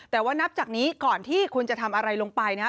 แต่ว่านับจากนี้ก่อนที่คุณจะทำอะไรลงไปนะ